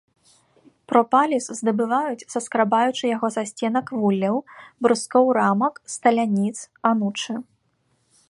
Пропаліс здабываюць, саскрабаючы яго са сценак вулляў, брускоў рамак, сталяніц, анучы.